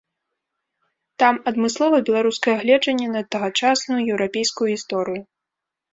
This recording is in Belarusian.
Там адмыслова беларускае гледжанне на тагачасную еўрапейскую гісторыю.